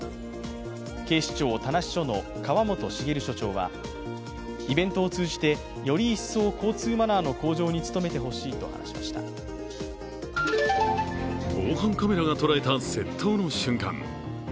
警視庁田無署の河本滋署長はイベントを通じて、より一層交通マナーの向上に防犯カメラが捉えた窃盗の瞬間。